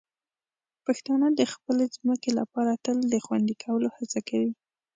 پښتانه د خپلې ځمکې لپاره تل د خوندي کولو هڅه کوي.